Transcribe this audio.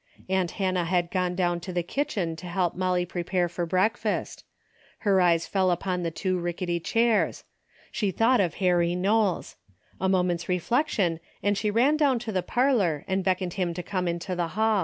Aunt Hannah had gone down to the kitchen to help Molly pre pare for breakfast. Her eyes fell upon the two rickety chairs. She thought of Harry Knowles. A moment's reflection, and she ran down to the parlor and beckoned him to come into the hall.